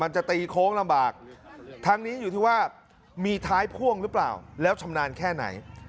จะตีโค้งลำบากทั้งนี้อยู่ที่ว่ามีท้ายพ่วงหรือเปล่าแล้วชำนาญแค่ไหน